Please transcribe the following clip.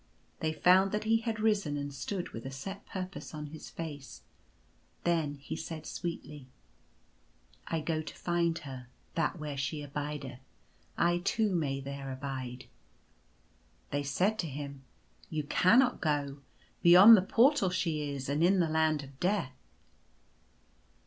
They found that he had risen and stood with a set purpose on his face. Then he said sweetly :" I go to find her, that where she abideth, I too may there abide." They said to him : "You cannot go. Beyond the Portal she is, and in the Land of Death."